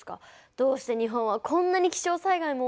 どうして日本はこんなに気象災害も多いんだろう。